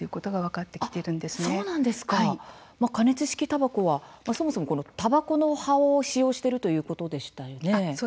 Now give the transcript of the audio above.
たばこはそもそもたばこの葉を使用しているということでしたね。